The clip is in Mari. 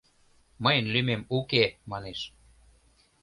— Мыйын лӱмем уке, — манеш.